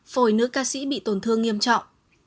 phổi nữ ca sĩ bị tổn thương nghiêm trọng